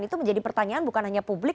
itu menjadi pertanyaan bukan hanya publik